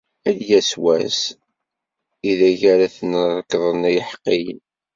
Ad d-yas wass ideg ara ten-rekḍen yiḥeqqiyen.